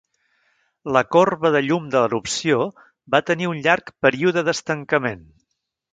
La corba de llum de l'erupció va tenir un llarg període d'estancament.